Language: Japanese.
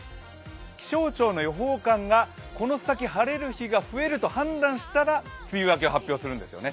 気象庁の予報官がこの先晴れる日が増えると判断したら梅雨明けを発表するんですよね。